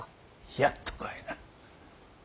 やっとかいな。